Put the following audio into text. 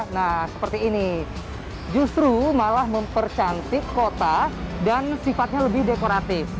nah seperti ini justru malah mempercantik kota dan sifatnya lebih dekoratif